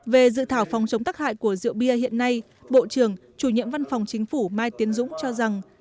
về dự thảo phòng chống tắc hại của rượu bia hiện nay bộ trưởng chủ nhiệm văn phòng chính phủ mai tiến dũng cho rằng